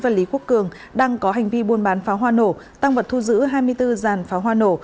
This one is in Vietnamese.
và lý quốc cường đang có hành vi buôn bán pháo hoa nổ tăng vật thu giữ hai mươi bốn giàn pháo hoa nổ